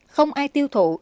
không ai tiêu thụ